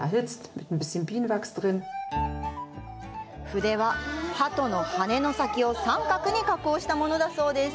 筆は、ハトの羽根の先を三角に加工したものだそうです。